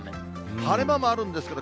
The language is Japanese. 晴れ間もあるんですけど、